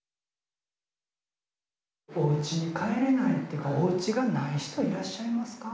おうちに帰れないおうちがない人いらっしゃいますか？